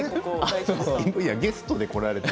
ゲストで来られて。